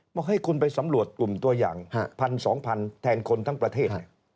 บอกให้คุณไปสำรวจกลุ่มตัวอย่าง๑๒๐๐แทนคนทั้งประเทศ